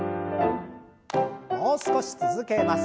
もう少し続けます。